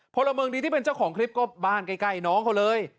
พลเมืองดีที่เป็นเจ้าของคลิปก็บ้านใกล้น้องเขาเลย